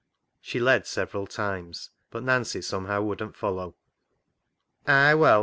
She led several times, but Nancy somehow would not follow. " Ay, well